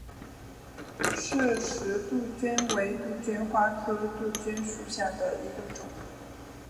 饰石杜鹃为杜鹃花科杜鹃属下的一个种。